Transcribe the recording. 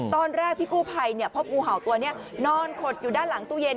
ตอนแรกพี่กู้ภัยพบงูเห่าตัวนี้นอนขดอยู่ด้านหลังตู้เย็น